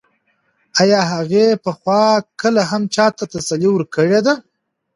ایا هغې پخوا کله هم چا ته تسلي ورکړې ده؟